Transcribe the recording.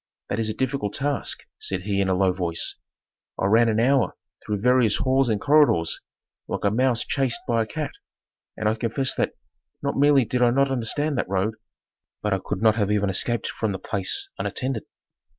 "That is a difficult task," said he in a low voice. "I ran an hour through various halls and corridors, like a mouse chased by a cat. And I confess that, not merely did I not understand that road, but I could not have even escaped from the place unattended.